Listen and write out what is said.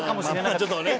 ちょっとね。